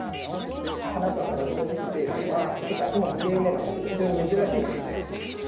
花と葉が同時というのは、世界でも２例目の、非常に珍しい状態です。